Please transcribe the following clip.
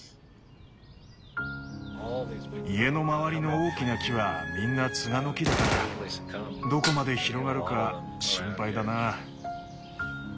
家の周りの大きな木はみんなツガの木だからどこまで広がるか心配だな。